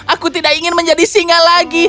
aku tidak ingin menjadi singa lagi